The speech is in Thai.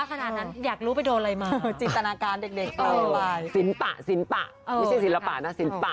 ขนาดนั้นอยากรู้ไปโดนอะไรมาจินตนาการเด็กศิลปะศิลปะไม่ใช่ศิลปะนะศิลปะ